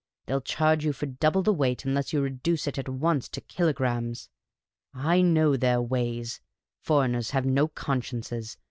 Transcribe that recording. They '11 charge you for double the weight, unless you reduce it at once to kilogrammes. / know their ways. Foreigners have no consciences.